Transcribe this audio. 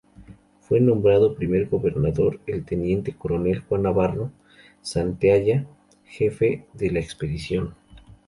Fue nombrado primer gobernador el teniente coronel Juan Navarro Santaella, jefe de la expedición.